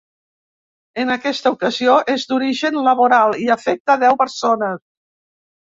En aquesta ocasió, és d’origen laboral, i afecta deu persones.